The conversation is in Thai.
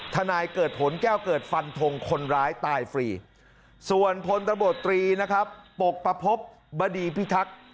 นายเกิดผลแก้วเกิดฟันทงคนร้ายตายฟรีส่วนพลตำรวจตรีนะครับปกประพบบดีพิทักษ์